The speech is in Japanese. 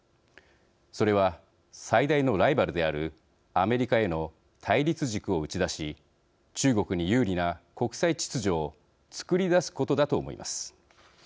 それは、最大のライバルであるアメリカへの対立軸を打ち出し中国に有利な国際秩序を作り出すことだと思います。